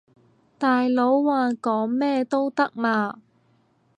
大佬話講咩都得嘛